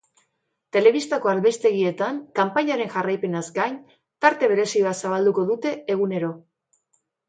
Telebistako albistegietan, kanpainaren jarraipenaz gain, tarte berezi bat zabalduko dute egunero.